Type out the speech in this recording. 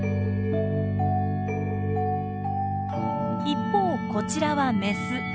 一方こちらはメス。